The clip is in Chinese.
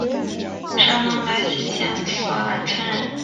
山东莱西县索兰村人。